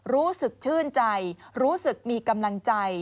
รู้สึกชื่นใจรู้สึกมีกำลังใจ